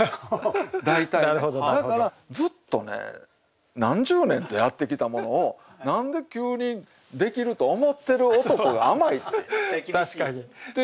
だからずっとね何十年とやってきたものを何で急にできると思ってる男が甘いっていうことを思うんですね。